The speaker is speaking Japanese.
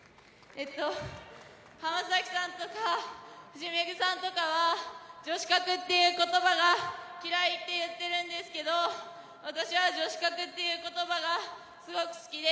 浜崎さんとかフジメグさんとかはジョシカクっていう言葉が嫌いって言ってるんですけど私はジョシカクという言葉がすごく好きで。